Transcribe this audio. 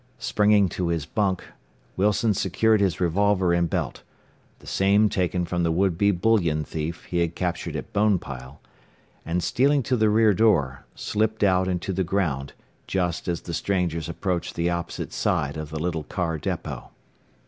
Springing to his bunk, Wilson secured his revolver and belt the same taken from the would be bullion thief he had captured at Bonepile and stealing to the rear door, slipped out and to the ground just as the strangers approached the opposite side of the little car depot.